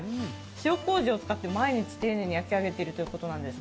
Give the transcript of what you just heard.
塩こうじを使って毎日丁寧に焼き上げているということなんです